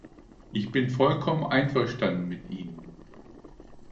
Ich bin vollkommen einverstanden mit Ihnen.